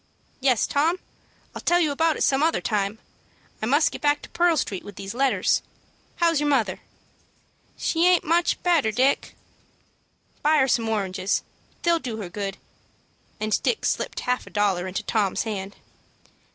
"Yes, Tom. I'll tell you about it some other time. I must get back to Pearl Street with these letters. How's your mother?" "She aint much better, Dick." "Buy her some oranges. They'll do her good," and Dick slipped half a dollar into Tom's hand.